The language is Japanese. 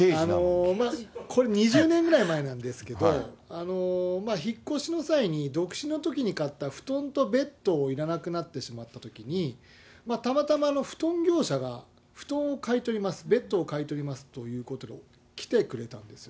これ、２０年ぐらい前なんですけど、引っ越しの際に独身のときに買った布団とベッドをいらなくなってしまったときに、たまたま布団業者が布団を買い取ります、ベッドを買い取りますということで、来てくれたんですよ。